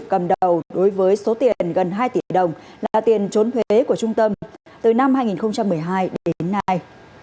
cầm đầu đối với số tiền gần hai tỷ đồng là tiền trốn thuế của trung tâm từ năm hai nghìn một mươi hai đến nay